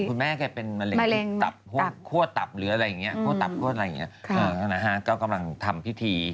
คุณแม่แกเป็นมะเร็งหัวตับหรืออะไรอย่างเงี้ยกำลังทำพิธี